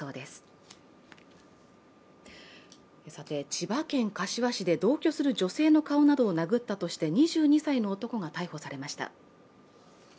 千葉県柏市で同居する女性の顔などを殴ったとして２２歳の男が逮捕されました。